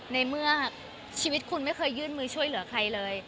ในเมื่อชีวิตคุณไม่เคยยื่นมือช่วยเหลือใครเลย